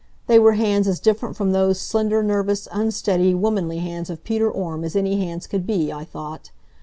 They were hands as different from those slender, nervous, unsteady, womanly hands of Peter Orme as any hands could be, I thought.